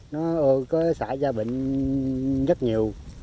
nó có xảy ra bệnh rất nhiều